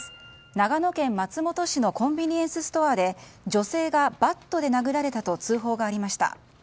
長野県松本市のコンビニエンスストアで女性がバットで殴られたと通報がありました。